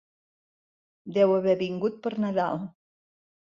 Deu haver vingut per Nadal.